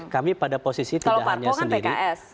kami pada posisi tidak hanya sendiri